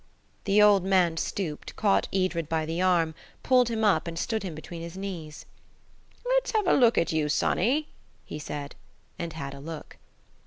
The old man stooped, caught Edred by the arm, pulled him up, and stood him between his knees. "Let's have a look at you, sonny," he said; and had a look.